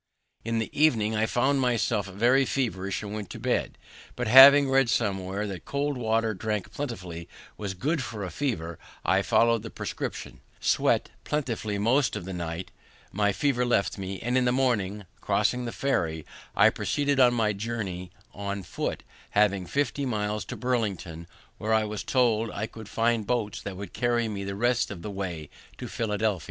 In the evening I found myself very feverish, and went in to bed; but, having read somewhere that cold water drank plentifully was good for a fever, I follow'd the prescription, sweat plentifully most of the night, my fever left me, and in the morning, crossing the ferry, I proceeded on my journey on foot, having fifty miles to Burlington, where I was told I should find boats that would carry me the rest of the way to Philadelphia.